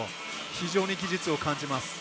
非常に技術を感じます。